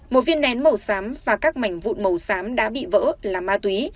một viên nén màu xám và các mảnh vụn màu xám đã bị vỡ là ma túy